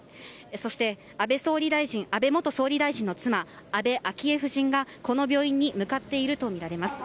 そして、安倍元総理大臣の妻安倍昭恵夫人がこの病院に向かっているとみられます。